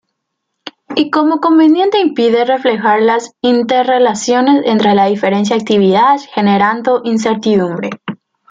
Y como inconveniente impide reflejar las interrelaciones entre las diferentes actividades, generando incertidumbre.